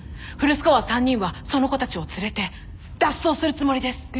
フルスコア３人はその子たちを連れて脱走するつもりです。